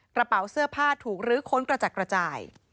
กระเป๋าเสื้อผ้าถูกลื้อค้นกระจัดกระจาย